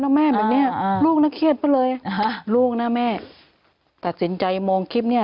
ยังไงลูกนั้นเครียดป่ะเลยลูกนั้นแม่ตัดสินใจโมงคลิปเนี่ย